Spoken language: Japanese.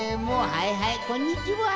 はいはいこんにちは。